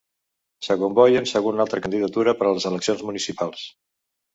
S'agomboien amb una altra candidatura per a les eleccions municipals.